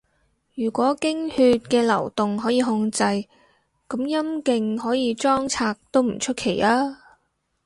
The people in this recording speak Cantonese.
如果經血嘅流動可以控制，噉陰莖可以裝拆都唔出奇吖